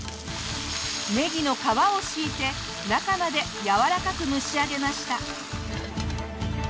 ねぎの皮を敷いて中までやわらかく蒸し上げました。